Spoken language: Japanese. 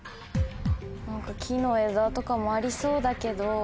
何か木の枝とかもありそうだけど。